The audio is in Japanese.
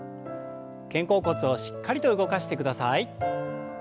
肩甲骨をしっかりと動かしてください。